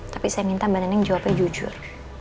tapi saya minta mbak neneng jawabnya jujur